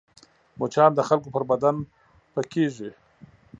مچان د خلکو پر بدن پکېږي